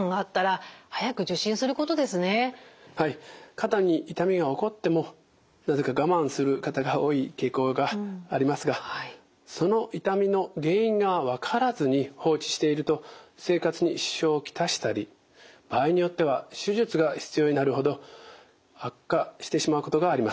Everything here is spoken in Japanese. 肩に痛みが起こってもなぜか我慢する方が多い傾向がありますがその痛みの原因が分からずに放置していると生活に支障を来したり場合によっては手術が必要になるほど悪化してしまうことがあります。